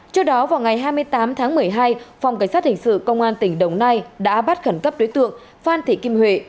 trước đó vào ngày hai mươi tám tháng một mươi hai phòng cảnh sát hình sự công an tỉnh đồng nai đã bắt khẩn cấp đối tượng phan thị kim huệ